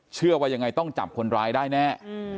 เชื่อว่ายังไงต้องจับคนร้ายได้แน่